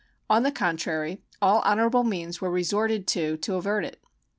On the contrary, all honorable means were resorted to to avert it.